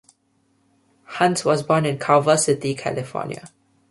Hunt was born in Culver City, California.